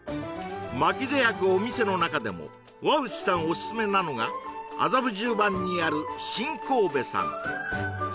薪で焼くお店の中でも和内さんおすすめなのが麻布十番にある新神戸さん